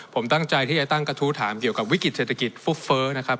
ผมตั้งใจที่จะตั้งกระทู้ถามเกี่ยวกับวิกฤตเศรษฐกิจฟุบเฟ้อนะครับ